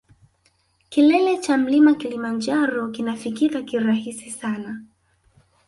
Kilele cha mlima kilimanjaro kinafikika kirahisi sana